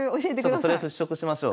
それ払拭しましょう。